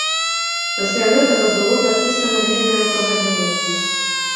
Пасля гэтага было падпісана мірнае пагадненне.